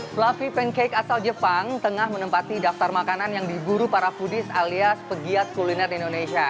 fluffy pancake asal jepang tengah menempati daftar makanan yang diburu para foodes alias pegiat kuliner di indonesia